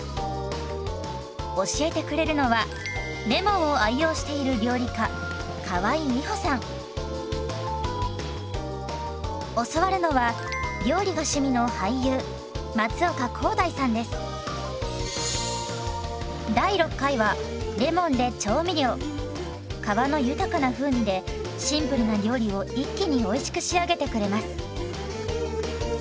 教えてくれるのはレモンを愛用している教わるのは皮の豊かな風味でシンプルな料理を一気においしく仕上げてくれます。